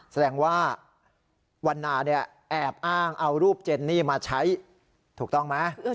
แสดงว่าวันนาเนี่ยแอบอ้างเอารูปเจนนี่มาใช้ถูกต้องไหม